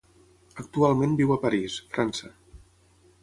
Actualment viu a París, França.